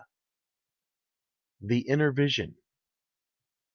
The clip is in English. THE INNER VISION.